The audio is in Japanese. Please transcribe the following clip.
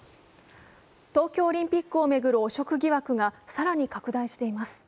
東京オリンピックを巡る汚職疑惑が更に拡大しています。